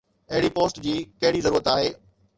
اهڙي پوسٽ جي ڪهڙي ضرورت آهي؟